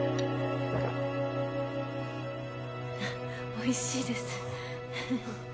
おいしいです